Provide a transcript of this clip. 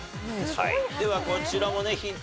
ではこちらもねヒント